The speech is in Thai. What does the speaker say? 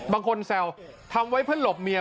บางคนแซวทำไว้เพื่อนหลบเมีย